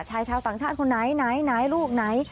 ชายชาวต่างชาติคนไหนไหนลูกไหน